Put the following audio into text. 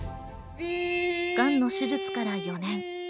がんの手術から４年。